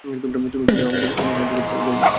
তুমি ফোনে আমাদের অনেক সাহায্য করেছো।